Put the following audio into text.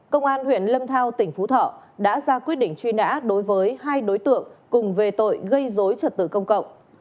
công an huyện lâm thao tỉnh phú thọ đã ra quyết định truy nã đối với hai đối tượng cùng về tội gây dối trật tự công cộng